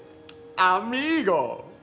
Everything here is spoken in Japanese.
アミーゴ！